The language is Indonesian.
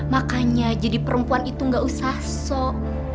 makanya jadi perempuan itu gak usah sok